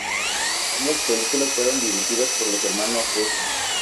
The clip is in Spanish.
Ambas películas fueron dirigidas por los hermanos Russo.